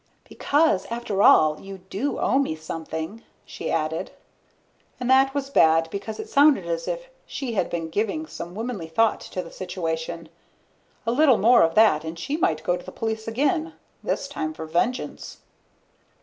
"Because, after all, you do owe me something," she added. And that was bad because it sounded as if she had been giving some womanly thought to the situation. A little more of that and she might go to the police again, this time for vengeance.